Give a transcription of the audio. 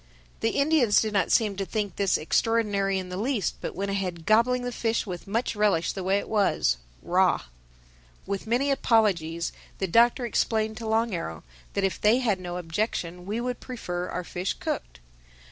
The Indians did not seem to think this extraordinary in the least, but went ahead gobbling the fish with much relish the way it was, raw. With many apologies, the Doctor explained to Long Arrow that if they had no objection we would prefer our fish cooked.